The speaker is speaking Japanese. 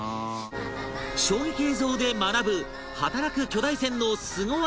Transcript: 衝撃映像で学ぶ働く巨大船のスゴ技